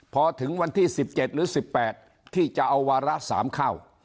พอถึงวันที่๑๗หรือ๑๘ที่จะเอาวาระ๓เข้า